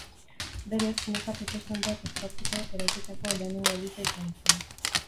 Berez, meza protestanteak ospatzeko eraikitako lehenengo eliza izan zen.